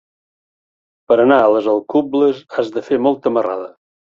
Per anar a les Alcubles has de fer molta marrada.